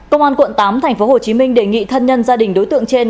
công an quận tám tp hcm đề nghị thân nhân gia đình đối tượng trên